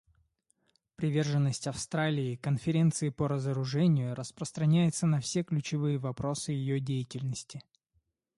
Приверженность Австралии Конференции по разоружению распространяется на все ключевые вопросы ее деятельности.